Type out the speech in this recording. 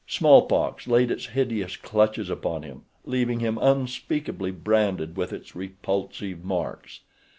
Smallpox laid its hideous clutches upon him; leaving him unspeakably branded with its repulsive marks.